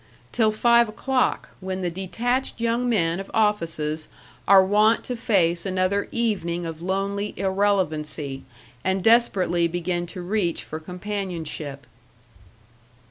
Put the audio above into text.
till five o'clock, when the detached young men of offices are wont to face another evening of lonely irrelevancy, and desperately begin to reach for companionship.